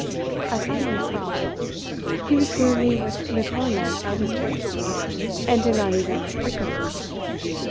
A silence fell. He was gloomy with the torment of his jealousy, and did not even look at her.